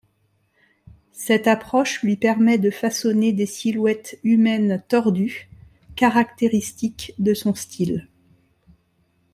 Cette approche lui permet de façonner des silhouettes humaines tordues, caractéristiques de son style.